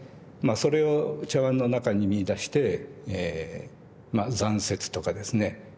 それを茶碗の中に見いだしてえまあ残雪とかですね